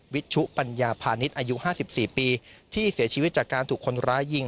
วิชุปัญญาพาณิชย์อายุห้าสิบสี่ปีที่เสียชีวิตจากการถูกคนล้ายิง